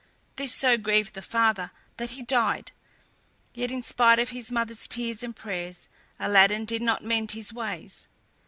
This so grieved the father that he died; yet, in spite of his mother's tears and prayers, Aladdin did not mend his ways.